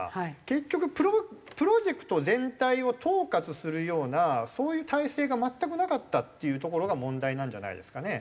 結局プロジェクト全体を統括するようなそういう体制が全くなかったっていうところが問題なんじゃないですかね。